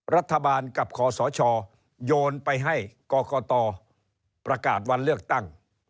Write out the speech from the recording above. รัฐบาลกับคอสชโยนไปให้กรกตประกาศวันเลือกตั้ง